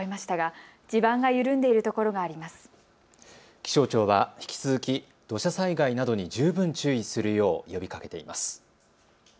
気象庁は引き続き土砂災害などに十分注意するよう呼びかけています。